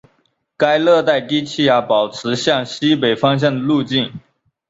该热带低气压保持向西北方向的路径。